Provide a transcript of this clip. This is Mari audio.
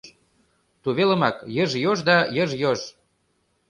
Тувелымак — йыж-йож да йыж-йож.